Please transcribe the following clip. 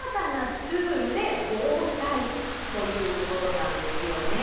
ということなんですよね。